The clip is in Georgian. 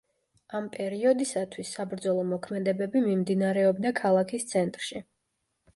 ამ პერიოდისათვის საბრძოლო მოქმედებები მიმდინარეობდა ქალაქის ცენტრში.